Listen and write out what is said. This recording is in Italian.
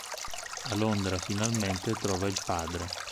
A Londra finalmente trova il padre.